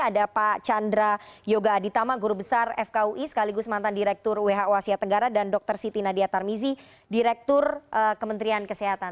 ada pak chandra yoga aditama guru besar fkui sekaligus mantan direktur who asia tenggara dan dr siti nadia tarmizi direktur kementerian kesehatan